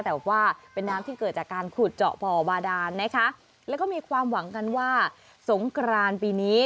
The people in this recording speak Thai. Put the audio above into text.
แต่ว่าเป็นน้ำที่เกิดจากการขุดเจาะบ่อบาดานนะคะแล้วก็มีความหวังกันว่าสงกรานปีนี้